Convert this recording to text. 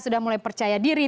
sudah mulai percaya diri